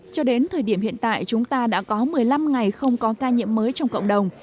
cho đến thời điểm hiện tại chúng ta đã có một mươi năm ngày không có ca nhiễm mới trong cộng đồng